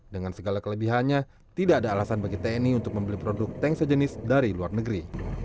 dengan segala kelebihannya tidak ada alasan bagi tni untuk membeli produk tank sejenis dari luar negeri